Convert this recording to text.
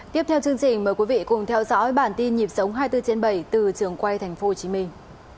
tiếp theo chương trình mời quý vị cùng theo dõi bản tin nhịp sống hai mươi bốn trên bảy từ trường quay thành phố hồ chí minh